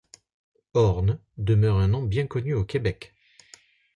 Horne demeure un nom bien connu au Québec.